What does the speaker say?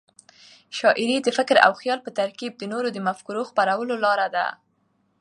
شاعري د فکر او خیال په ترکیب د نوو مفکورو د خپرولو لار ده.